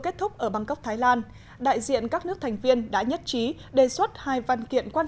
kết thúc ở bangkok thái lan đại diện các nước thành viên đã nhất trí đề xuất hai văn kiện quan